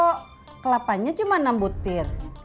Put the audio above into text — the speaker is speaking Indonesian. kalau kelapanya cuma enam butir